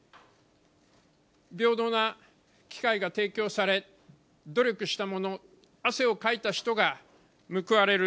平等な機会が提供され、努力した者、汗をかいた人が報われる。